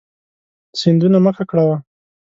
سیندونه مه ککړوه.